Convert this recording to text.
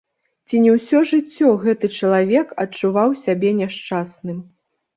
Ці не ўсё жыццё гэты чалавек адчуваў сябе няшчасным.